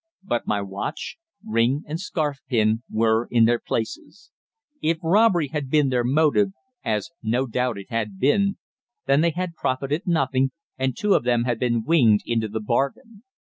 But my watch, ring and scarf pin were in their places. If robbery had been their motive, as no doubt it had been, then they had profited nothing, and two of them had been winged into the bargain.